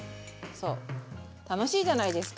そう楽しいじゃないですか。